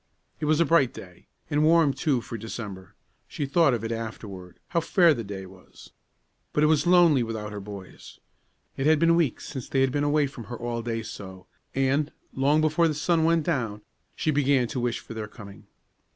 It was a bright day, and warm, too, for December; she thought of it afterward, how fair the day was. But it was lonely without her boys. It had been weeks since they had been away from her all day so; and, long before the sun went down, she began to wish for their coming.